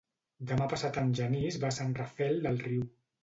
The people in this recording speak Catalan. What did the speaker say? Demà passat en Genís va a Sant Rafel del Riu.